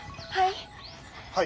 はい。